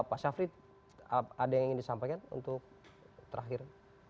pak syafri ada yang ingin disampaikan untuk terakhir